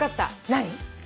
何？